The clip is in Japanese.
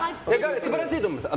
素晴らしいとは思います。